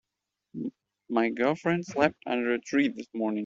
My girlfriend slept under a tree this morning.